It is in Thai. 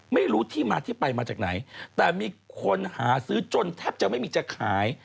ไม่รู้ที่มาที่ไปมาจากไหนแต่มีคนหาซื้อจนแทบจะไม่มีจะขาย